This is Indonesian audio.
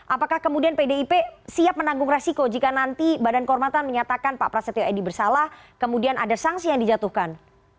apakah kemudian pdip siap menanggung resiko jika nanti badan kehormatan menyatakan pak prasetyo edy bersalah kemudian ada sanksi yang dijatuhkan